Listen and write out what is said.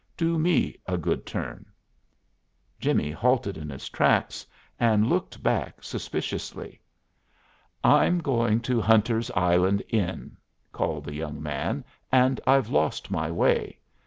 Do me a good turn." Jimmie halted in his tracks and looked back suspiciously. "I'm going to Hunter's Island Inn," called the young man, "and I've lost my way.